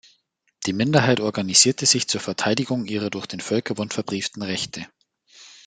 Die Minderheit organisierte sich zur Verteidigung ihrer durch den Völkerbund verbrieften Rechte.